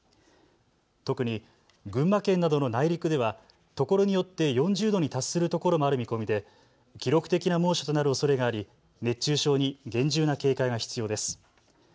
特に群馬県などの内陸ではところによって４０度に達するところもある見込みで記録的な猛暑となるおそれがあり熱中症に厳重な警戒が必要です。